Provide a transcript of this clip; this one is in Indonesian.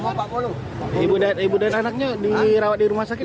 ibu dan anaknya dirawat di rumah sakit